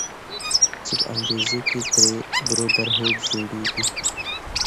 چې په انګريزۍ کښې ترې Brotherhood جوړيږي